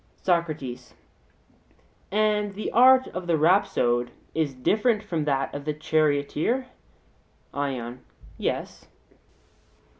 SOCRATES: And the art of the rhapsode is different from that of the charioteer? ION: Yes.